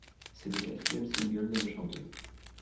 C'est le quatrième single de la chanteuse.